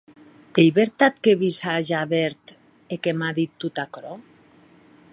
Ei vertat qu’è vist a Javert e que m’a dit tot aquerò?